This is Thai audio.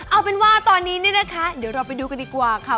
เอาเป็นว่าตอนนี้เนี่ยนะคะเดี๋ยวเราไปดูกันดีกว่าค่ะ